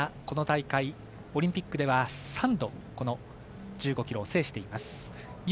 この大会オリンピックでは３度１５ｋｍを制しています。